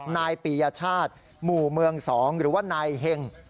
นายปียชาติหมู่เมือง๒หรือว่านายเห็ง